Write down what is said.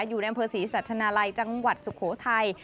อยู่ในอำเภอศรีสัชนาลัยจังหวัดสุโขทัย